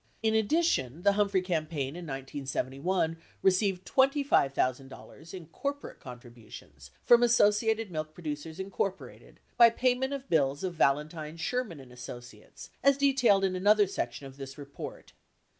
In addition, the Hum phrey campaign in 1971 received $25,000 in corporate contributions from Associated Milk Producers, Incorporated by payment of bills of Valentine, Sherman and Associates as detailed in another section of this report.